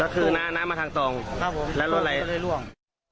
คือน้ำมาทางตรง